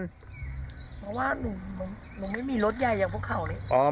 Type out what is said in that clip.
เพราะว่าหนูไม่มีรถใหญ่อย่างพวกเขานี่